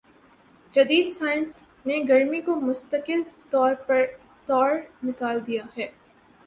جدید سائنس نے گرمی کا مستقل توڑ نکال دیا ہے